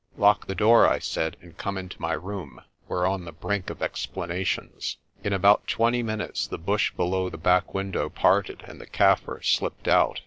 "Lock the door," I said, "and come into my room. We're on the brink of explanations." In about twenty minutes the bush below the back window parted and the Kaffir slipped out.